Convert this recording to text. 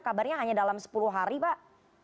kabarnya hanya dalam sepuluh hari pak